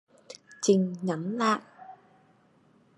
Chinh nhắn lại